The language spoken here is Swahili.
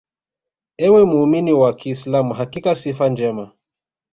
Ewe muumini wa kiislam Hakika sifa njema